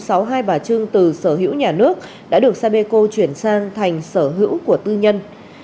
từ đó lô đất vàng hai trăm sáu mươi hai đồng từ sở hữu nhà nước đã được sapeco chuyển sang thành sở hữu của tư nhân